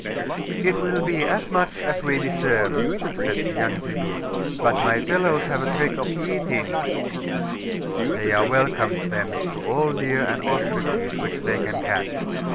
'It will be as much as we deserve,' said the young Tribune: 'but my fellows have a trick of eating ' 'They are welcome, then, to all deer and ostriches which they can catch.